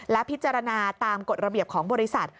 และพิจารณาตามกฎระเบียบของบริษัท